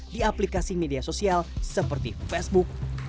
di aplikasi media sosial seperti facebook